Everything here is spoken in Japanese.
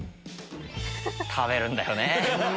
食べるんだよね。